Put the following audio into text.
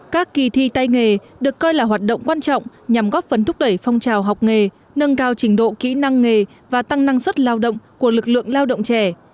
các kỳ thi tay nghề được coi là hoạt động quan trọng nhằm góp phần thúc đẩy phong trào học nghề nâng cao trình độ kỹ năng nghề và tăng năng suất lao động của lực lượng lao động trẻ